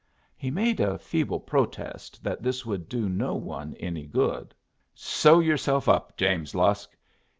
He made a feeble protest that this would do no one any good. "Sew yourself up, James Lusk.